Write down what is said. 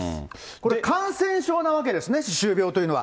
これ、感染症なわけですね、歯周病というのは。